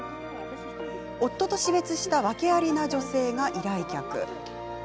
夫と死別した訳ありな女性が依頼客。